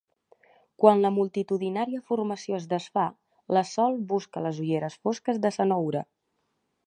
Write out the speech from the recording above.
Quan la multitudinària formació es desfà la Sol busca les ulleres fosques de Cenoura.